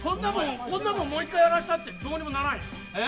こんなもんもう１回やらせたってどうにもならんよ。